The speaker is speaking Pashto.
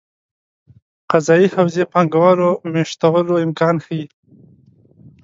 قضايي حوزې پانګه والو مېشتولو امکان ښيي.